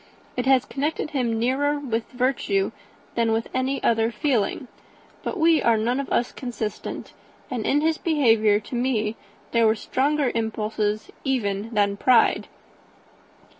It has connected him nearer with virtue than any other feeling. But we are none of us consistent; and in his behaviour to me there were stronger impulses even than pride."